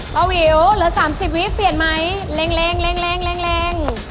เบาหิวเหลือ๓๐วิทย์เปลี่ยนไหมเร็ง